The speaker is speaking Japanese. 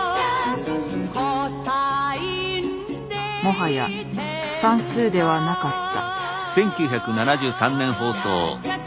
もはや算数ではなかった。